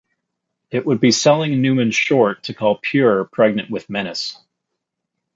It would be selling Numan short to call "Pure" pregnant with menace".